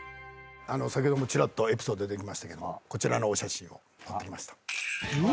先ほどエピソード出てきましたけどもこちらのお写真を持ってきました。